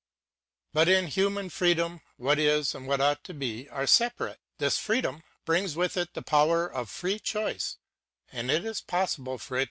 But in human freedom what is and what ought to be are separate. This freedom brings with it the power of free choice, and it is possible for it